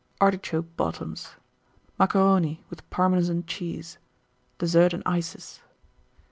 Artichoke Bottoms. Macaroni, with Parmesan Cheese. DESSERT AND ICES.